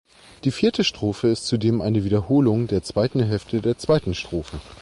Die vierte Strophe ist zudem eine Wiederholung der zweiten Hälfte der zweiten Strophe.